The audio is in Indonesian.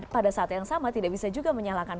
pada saat yang sama tidak bisa juga menyalahkan